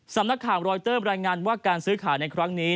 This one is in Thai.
สำนักข่าวรอยเตอร์รายงานว่าการซื้อขายในครั้งนี้